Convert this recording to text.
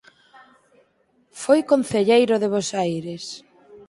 Foi concelleiro de Bos Aires.